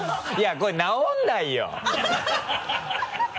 これ直らない。